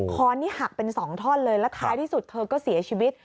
คอนนี่หักเป็น๒ท่อนเลยแล้วท้ายที่สุดเธอก็เสียชีวิต